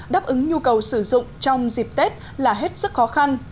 đồng bào ứng nhu cầu sử dụng trong dịp tết là hết sức khó khăn